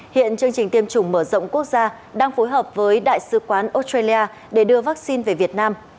hiện chương trình tiêm chủng mở rộng quốc gia đang phối hợp với đại sứ quán australia để đưa vaccine về việt nam